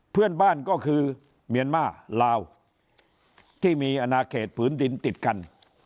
เพื่อนบ้านก็คือเมียนมาลาวที่มีอนาเขตผืนดินติดกัน